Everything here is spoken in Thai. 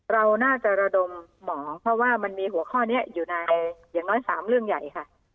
เราน่าจะระดมหมอเพราะว่ามันมีหัวข้อนี้อยู่ในอย่างน้อย๓เรื่องใหญ่ค่ะ